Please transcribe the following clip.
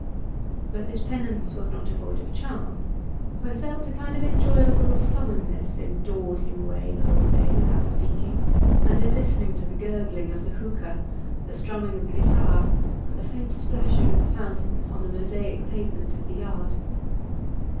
But this penance was not devoid of charm, for he felt a kind of enjoyable sullenness in dawdling away the whole day without speaking, and in listening to the gurgling of the hookah, the strumming of the guitar, and the faint splashing of the fountain on the mosaic pavement of the yard.